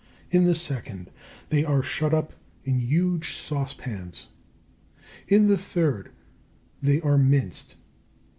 In the second, they are shut up in huge saucepans. In the third, they are minced.